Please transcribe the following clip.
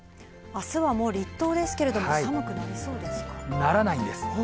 あすはもう立冬ですけれども、ならないです。